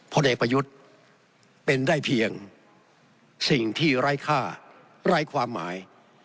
ผลเอกประยุทธ์เป็นได้เพียงสิ่งที่ไร้ค่าไร้ความหมาย